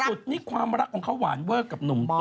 ร่าสุดนี้ความรักของเขาหวานเวิร์ดกับหนุ่มต้นนะฮะ